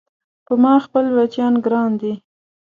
په ما خپل بچيان ګران دي